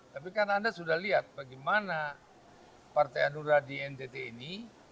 tapi kan anda sudah lihat bagaimana partai hanura di ntt ini